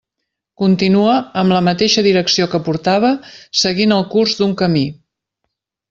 Continua, amb la mateixa direcció que portava, seguint el curs d'un camí.